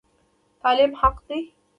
تعلیم حق دی